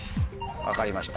分かりました。